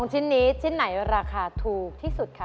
ชิ้นนี้ชิ้นไหนราคาถูกที่สุดคะ